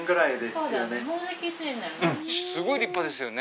すごい立派ですよね。